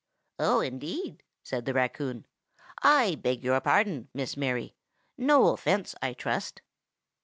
"Oh, indeed!" said the raccoon. "I beg your pardon, Miss Mary. No offence, I trust?"